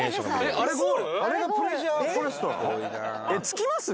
あれがプレジャーフォレストなの？